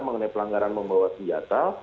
mengenai pelanggaran membawa senjata